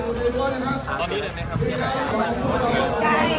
ออกไปออกไปออกไป